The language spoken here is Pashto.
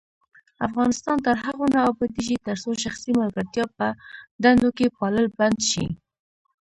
افغانستان تر هغو نه ابادیږي، ترڅو شخصي ملګرتیا په دندو کې پالل بند نشي.